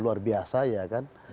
luar biasa ya kan